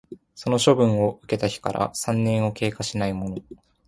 その処分を受けた日から三年を経過しないもの